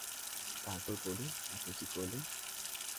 তারপর বলুন আপনি কী করলেন।